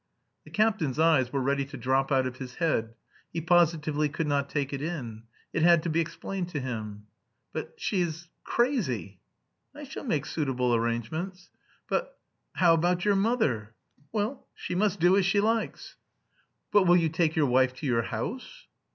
The captain's eyes were ready to drop out of his head; he positively could not take it in. It had to be explained to him. "But she is... crazy." "I shall make suitable arrangements." "But... how about your mother?" "Well, she must do as she likes." "But will you take your wife to your house?"